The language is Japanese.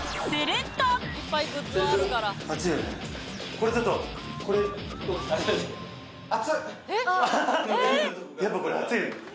これちょっとやっぱこれ熱いよね